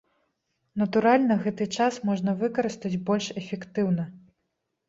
Натуральна, гэты час можна выкарыстаць больш эфектыўна.